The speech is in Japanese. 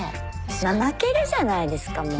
怠けるじゃないですかもう。